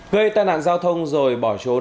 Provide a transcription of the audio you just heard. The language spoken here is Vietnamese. gây tai nạn giao thông rồi bỏ trốn